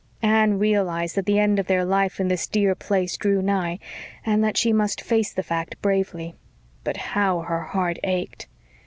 Anne realised that the end of their life in this dear place drew nigh, and that she must face the fact bravely. But how her heart ached!